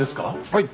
はい。